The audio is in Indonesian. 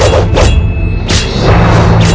mereka semua berpikir seperti itu